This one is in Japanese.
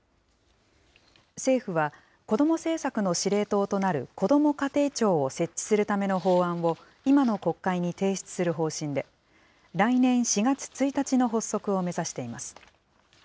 政府は、子ども政策の司令塔となるこども家庭庁を設置するための法案を、今の国会に提出する方針で、来年４月１日の発足を目指しています。